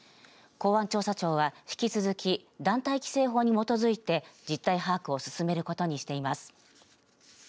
公安調査庁は、引き続き団体規制法に基づいて実態把握を進めることにしています。